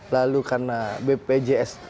lalu karena bpjs